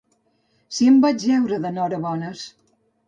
Si en vaig heure d'enhorabones!